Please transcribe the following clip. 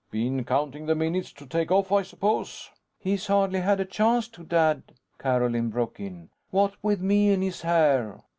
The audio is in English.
"Been counting the minutes to take off, I suppose?" "He's hardly had a chance to, Dad," Carolyn broke in. "What with me in his hair!"